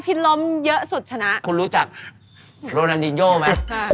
ล้มเยอะสุดชนะคุณรู้จักโรนานินโยไหมค่ะ